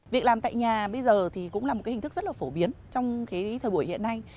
việc làm tại nhà bây giờ thì cũng là một hình thức rất phổ biến trong thời buổi hiện nay